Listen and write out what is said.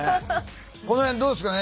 この辺どうですかね？